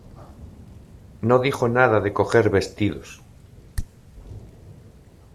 no dijo nada de coger vestidos